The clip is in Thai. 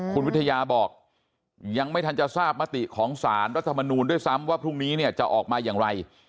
คุณวิทยาบอกยังไม่ทันจะทราบมติของสารรัฐมนูลด้วยซ้ำว่าพรุ่งนี้เนี่ยจะออกมาอย่างไร